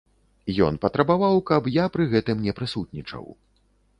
Ён патрабаваў, каб я пры гэтым не прысутнічаў.